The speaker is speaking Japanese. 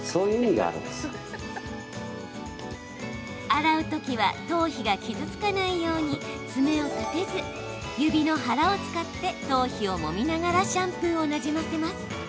洗うときは頭皮が傷つかないように爪を立てず指のはらを使って頭皮をもみながらシャンプーをなじませます。